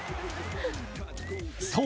そう、